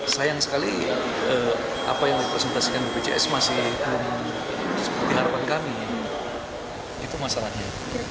sayang sekali apa yang dipresentasikan bpjs masih belum diharapkan itu masalahnya